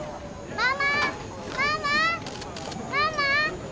ママ！